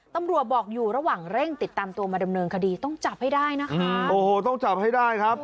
ตำรวจบอกอยู่ระหว่างเร่งติดตามตัวมาเดิมเนินคดีต้องจับให้ได้นะครับ